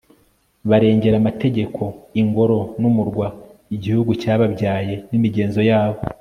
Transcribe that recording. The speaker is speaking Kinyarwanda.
barengera amategeko, ingoro n'umurwa, igihugu cyababyaye n'imigenzo yabo